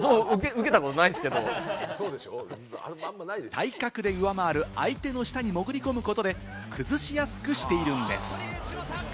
体格で上回る相手の下に潜り込むことで崩しやすくしているんです。